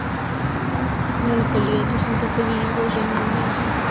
La localidad Santa Fe derivó su nombre del nombre antiguo de la capital.